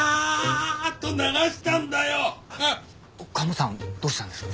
カモさんどうしたんですか？